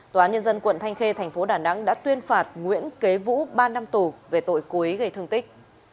tòa nhân dân quận thanh khê thành phố đà nẵng đã tuyên phạt nguyễn kế vũ ba năm tù về tội cố ý gây thương tích